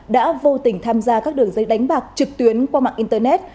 đã vô tình tham gia các đường dây đánh bạc trực tuyến qua mạng internet